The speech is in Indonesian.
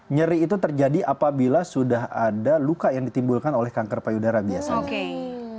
nyeri itu terjadi apabila sudah ada luka yang ditimbulkan oleh kanker payudara biasanya